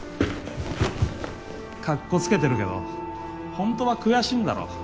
カッコつけてるけどほんとは悔しいんだろ？